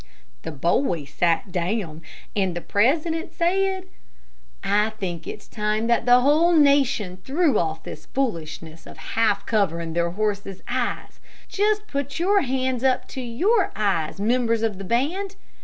The boy sat down, and the president said: "I think it is time that the whole nation threw off this foolishness of half covering their horses' eyes, just put your hands up to your eyes, members of the band.